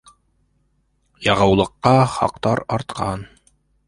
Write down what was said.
Яғыулыҡҡа хаҡтар артҡан.